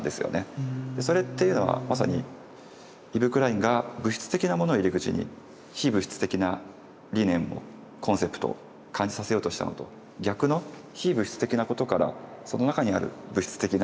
それっていうのはまさにイヴ・クラインが物質的なものを入り口に非物質的な理念コンセプトを感じさせようとしたのと逆の非物質的なことからその中にある物質的な。